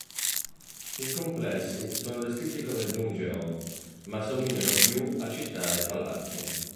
I complessi sono descritti come "dungeon", ma somigliano più a città e palazzi.